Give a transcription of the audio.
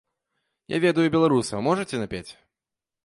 Я ведаю і беларусаў, можаце напець?